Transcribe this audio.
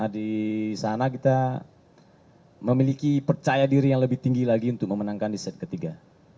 di sana kita memiliki percaya diri yang lebih tinggi lagi untuk memenangkan di set ketiga